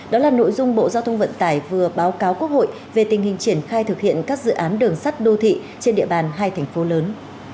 đó là nội dung bộ giao thông vận tải vừa báo cáo quốc hội về tình hình triển khai thực hiện các dự án đường sắt đô thị trên địa bàn hai thành phố lớn